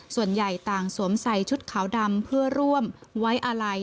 ส่วนใหญ่ต่างสวมใส่ชุดขาวดำเพื่อร่วมไว้อาลัย